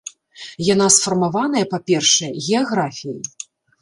Яна сфармаваная, па-першае, геаграфіяй.